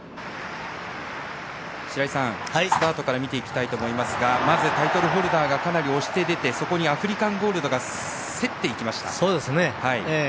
白井さん、スタートから見ていきたいと思いますがまず、タイトルホルダーがかなり押して出てそこにアフリカンゴールドが競っていきました。